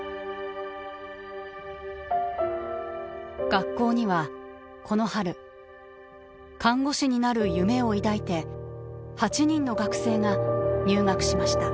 学校にはこの春看護師になる夢を抱いて８人の学生が入学しました。